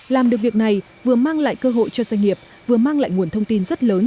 làm được việc này vừa mang lại cơ hội cho doanh nghiệp vừa mang lại nguồn thông tin rất lớn